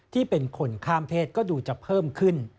ที่เป็นคนข้ามเพศก็ดูจะเพิ่มขึ้น